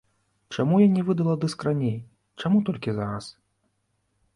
Чаму я не выдала дыск раней, чаму толькі зараз?